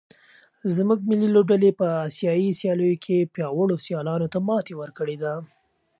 زموږ ملي لوبډلې په اسیايي سیالیو کې پیاوړو سیالانو ته ماتې ورکړې ده.